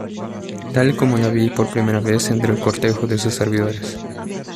tal como la vi por vez primera entre el cortejo de sus servidores